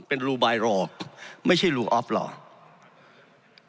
เป็นรูบายหลอกไม่ใช่รูออฟหลอก